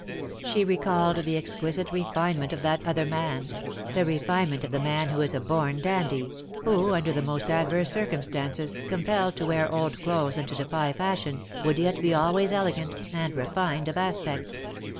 She recalled the exquisite refinement of that other man, the refinement of the man who is a born dandy, who, under the most adverse circumstances, compelled to wear old clothes and to defy fashion, would yet be always elegant and refined of aspect.